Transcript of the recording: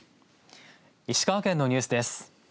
石川県のニュースです。